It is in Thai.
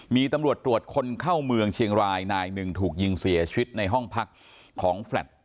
มีตำรวจตรวจคนเข้าเมืองเชียงรายนายหนึ่งถูกยิงเสียชีวิตในห้องพักของแฟลต